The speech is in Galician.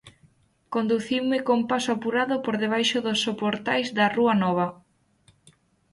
Conduciume con paso apurado por debaixo dos soportais da rúa Nova.